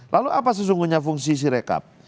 lalu apa sesungguhnya fungsi si rekap